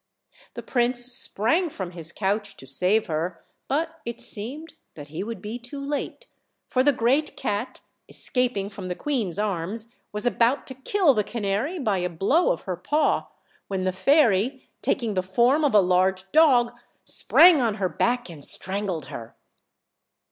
The prince sprang from his couch to save her, but it seemed that he would be too late, for the great cat, escaping from the queen's arms, was about to kill the canary by a blow of her paw, when the fairy, taking the form of a large dog, sprang on her back and strangled her.